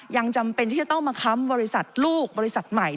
ยังจำเป็นที่จะต้องมาค้ำบริษัทลูกบริษัทใหม่